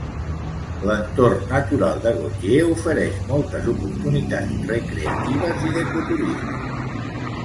L'entorn natural de Gautier ofereix moltes oportunitats recreatives i d'ecoturisme.